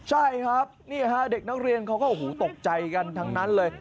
ใช่ครับนี่ฮะเด็กนักเรียนเขาก็โอ้โหตกใจกันทั้งนั้นเลย